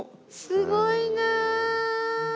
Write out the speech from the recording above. すごいな。